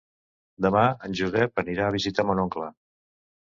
Demà en Josep anirà a visitar mon oncle.